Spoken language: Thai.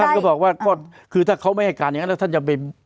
ก็บอกว่าก็คือถ้าเขาไม่ให้การอย่างนั้นแล้วท่านจะไป